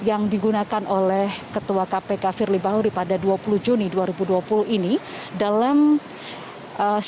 anggaran sudah merahmati hukum sujje kandang two t dua ribu sembilan belas